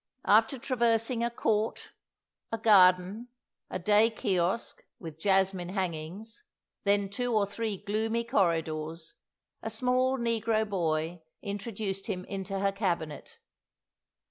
After traversing a court, a garden, a day kiosk, with jasmine hangings, then two or three gloomy corridors, a small negro boy introduced him into her cabinet.